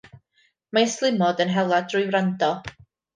Mae ystlumod yn hela drwy wrando.